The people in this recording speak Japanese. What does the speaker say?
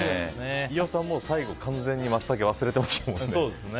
飯尾さん、最後完全にマツタケ忘れてましたもんね。